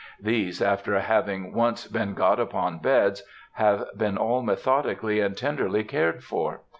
These, after having once been got upon beds, have been all methodically and tenderly cared for.